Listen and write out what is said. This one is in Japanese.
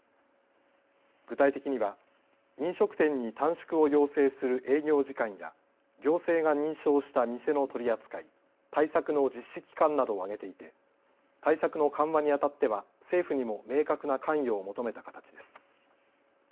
具体的には飲食店に短縮を要請する営業時間や行政が認証した店の取り扱い、対策の実施期間などを挙げていて対策の緩和にあたっては政府にも明確な関与を求めた形です。